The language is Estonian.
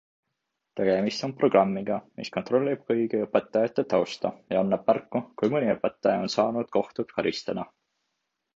Tegemist on programmiga, mis kontrollib kõigi õpetajate tausta ja annab märku, kui mõni õpetaja on saanud kohtult karistada.